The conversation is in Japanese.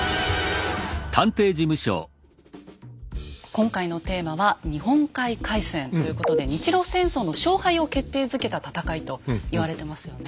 今回のテーマは「日本海海戦」ということで日露戦争の勝敗を決定づけた戦いと言われてますよね。